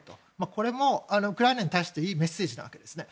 これもウクライナに対していいメッセージなわけですね。